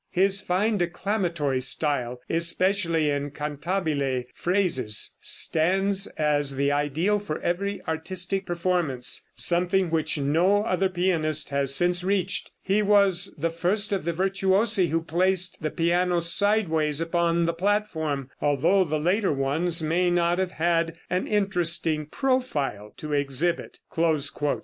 His fine declamatory style, especially in cantabile phrases, stands as the ideal for every artistic performance something which no other pianist since has reached. He was the first of the virtuosi who placed the piano sideways upon the platform, although the later ones may not have had an interesting profile to exhibit."